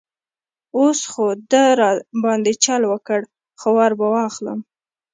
اوس خو ده را باندې چل وکړ، خو وار به اخلم.